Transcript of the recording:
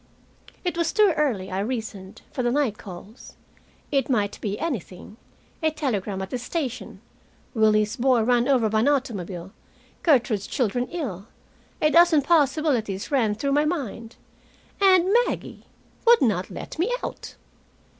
It was too early, I reasoned, for the night calls. It might be anything, a telegram at the station, Willie's boy run over by an automobile, Gertrude's children ill. A dozen possibilities ran through my mind. And Maggie would not let me out!